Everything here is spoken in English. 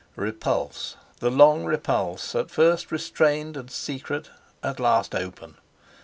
Repulse! The long repulse, at first restrained and secret, at last open!